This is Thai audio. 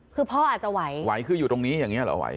คือพ่ออาจจะไหวไหวคืออยู่ตรงนี้อย่างนี้เหรอไหว